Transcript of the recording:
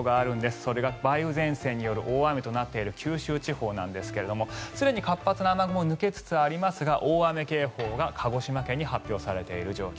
それが梅雨前線による大雨となっている九州地方なんですけどすでに活発な雨雲は抜けつつありますが大雨警報が鹿児島県に発表されている状況。